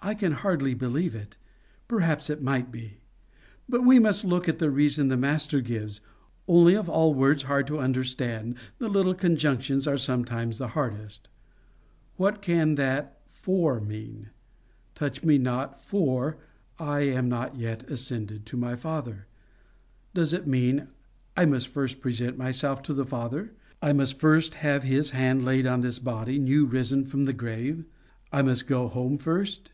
I can hardly believe it. Perhaps it might be. But we must look at the reason the Master gives only of all words hard to understand, the little conjunctions are sometimes the hardest. What can that FOR mean? 'Touch me not, FOR I am not yet ascended to my Father.' Does it mean, 'I must first present myself to my Father; I must first have His hand laid on this body new risen from the grave; I must go home first?